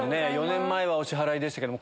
４年前はお支払いでしたけど。